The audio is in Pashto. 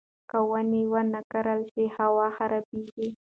که ونې ونه کرل شي، هوا خرابېږي.